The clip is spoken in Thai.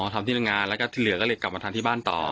ทำที่โรงงานแล้วก็ที่เหลือก็เลยกลับมาทานที่บ้านต่อ